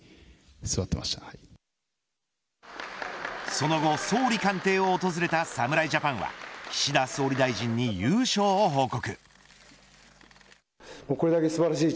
その後、総理官邸を訪れた侍ジャパンは岸田総理大臣に優勝を報告。